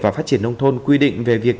và phát triển hồng thôn quy định về việc